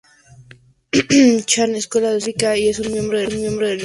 Chan Escuela de Salud Pública, y es un miembro en el Instituto Broad.